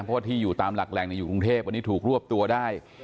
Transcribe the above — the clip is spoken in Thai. เพราะว่าที่อยู่ตามหลักแหล่งอยู่กรุงเทพวันนี้ถูกรวบตัวได้